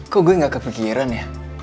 kok gue gak kepikiran ya